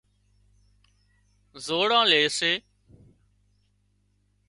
زوڙان لي سي